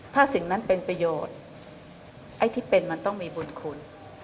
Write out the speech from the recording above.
ถ้าสิ่งนั้นเป็นประโยชน์ไอ้ที่เป็นมันต้องมีบุญคุณ